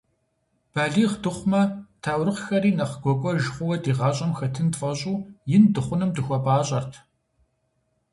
Балигъ дыхъумэ, таурыхъхэри нэхъ гуакӀуэж хъууэ ди гъащӀэм хэтын тфӀэщӀу, ин дыхъуным дыхуэпӀащӀэрт.